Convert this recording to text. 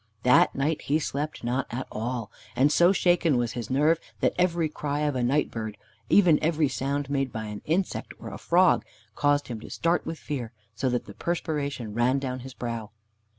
That night he slept not at all, and so shaken was his nerve that every cry of a night bird, even every sound made by an insect or a frog, caused him to start with fear, so that the perspiration ran down his brow.